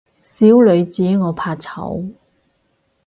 小女子我怕醜